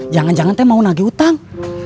jangan jangan saya mau nagih utang